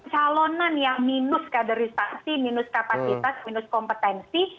calonan yang minus kaderisasi minus kapasitas minus kompetensi